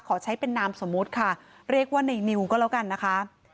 ขอใช้เป็นนามสมมุติค่ะเรียกว่าในนิวก็แล้วกันนะคะ